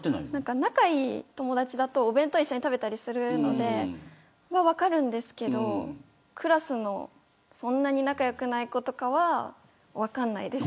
仲いい友達だとお弁当を一緒に食べたりするので分かるんですけどクラスのそんなに仲良くない子とかは分からないです。